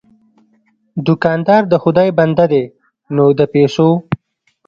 دوکاندار د خدای بنده دی، نه د پیسو.